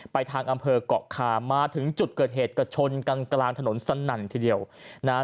ทางอำเภอกเกาะคามาถึงจุดเกิดเหตุก็ชนกันกลางถนนสนั่นทีเดียวนะฮะ